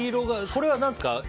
これは、何ですか？